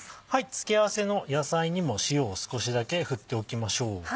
付け合わせの野菜にも塩を少しだけ振っておきましょう。